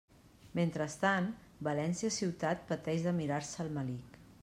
Mentrestant, València ciutat pateix de «mirar-se el melic».